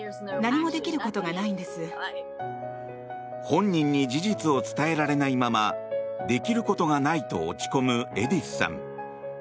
本人に事実を伝えられないままできることがないと落ち込むエディスさん。